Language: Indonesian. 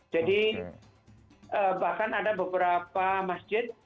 jadi bahkan ada beberapa masjid